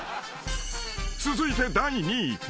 ［続いて第２位］